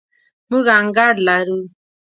موږ انګړ لرو